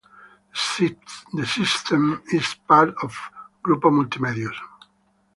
The system is part of Grupo Multimedios.